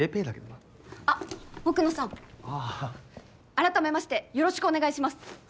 改めましてよろしくお願いします。